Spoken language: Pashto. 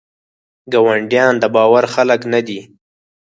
ګاونډیان دباور خلګ نه دي.